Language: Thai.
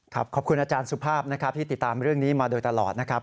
ขอบคุณอาจารย์สุภาพนะครับที่ติดตามเรื่องนี้มาโดยตลอดนะครับ